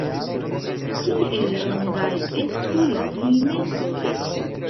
Kiel longaj estu la filmetoj?